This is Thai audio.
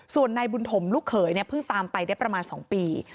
ส่วนนายบุญถมลูกเขยเนี่ยเพิ่งตามไปได้ประมาณ๒ปี